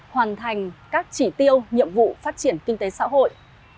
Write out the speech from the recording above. hành các chỉ tiêu nhiệm vụ phát triển kinh tế xã hội